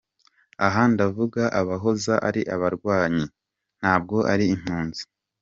Aha ndavuga abahoze ari abarwanyi, ntabwo ari impunzi.